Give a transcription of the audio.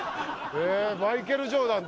マイケル・ジョーダン。